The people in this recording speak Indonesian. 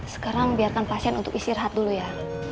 sekarang biarkan pasien untuk istirahat dulu ya